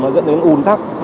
nó dẫn đến ủn tắc